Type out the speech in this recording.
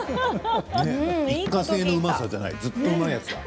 一過性のうまさじゃないずっとうまいやつだ。